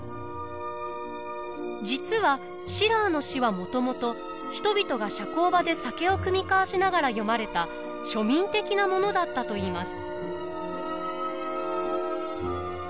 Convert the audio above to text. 実はシラーの詩はもともと人々が社交場で酒を酌み交わしながらよまれた庶民的なものだったといいます。